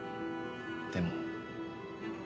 でも。